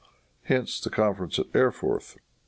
Hence the conference at Erfurth.